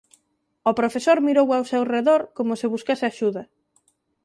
O profesor mirou ao seu redor como se buscase axuda.